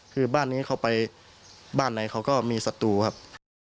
คือบ้านนี้เขาไปบ้านไหนเขาก็มีศัตรูครับ